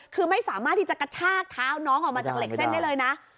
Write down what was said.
คือไม่สามารถที่จะกระชากเท้าน้องออกมาจากเหล็กเส้นได้เลยนะ